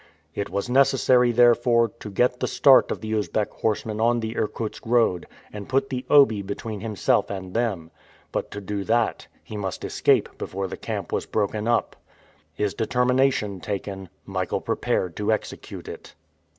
It was necessary, therefore, to get the start of the Usbeck horsemen on the Irkutsk road, and put the Obi between himself and them. But to do that, he must escape before the camp was broken up. His determination taken, Michael prepared to execute it.